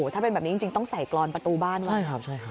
ถ้าเป็นแบบนี้จริงต้องใส่กลอนประตูบ้านกว่าอเจมส์ใช่ครับ